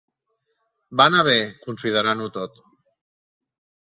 Va anar bé, considerant-ho tot.